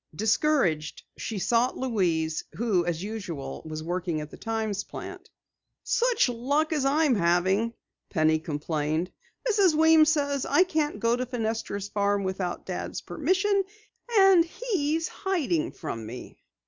Discouraged, she sought Louise who as usual was working at the Times plant. "Such luck as I am having," Penny complained. "Mrs. Weems says I can't go to Fenestra's farm without Dad's permission, and he's hiding from me."